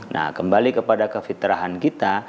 nah kembali kepada kefitrahan kita